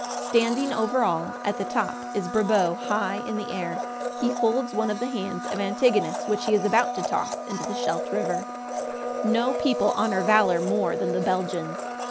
Standing over all, at the top, is Brabo high in air. He holds one of the hands of Antigonus, which he is about to toss into the Scheldt River. No people honor valor more than the Belgians.